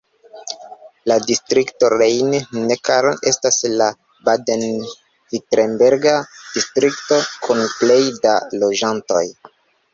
La distrikto Rhein-Neckar estas la baden-virtemberga distrikto kun plej da loĝantoj.